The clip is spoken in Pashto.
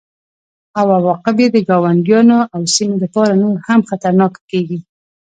او عواقب یې د ګاونډیانو او سیمې لپاره نور هم خطرناکه کیږي